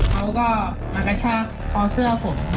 เขาก็มากระชากคอเสื้อผม